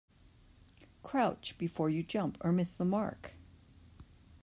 Crouch before you jump or miss the mark.